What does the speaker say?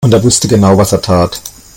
Und er wusste genau, was er tat.